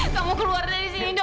kamu keluar dari sini dok